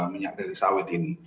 minyak dari sawit ini